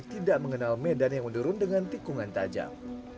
tidak mengenal medan yang menurun dengan tikungan tajam